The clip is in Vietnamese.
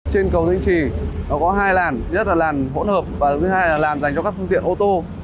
trên cầu thanh trì nó có hai làn rất là làn hỗn hợp và thứ hai là làn dành cho các phương tiện ô tô